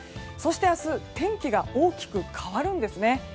そして、明日天気が大きく変わるんですね。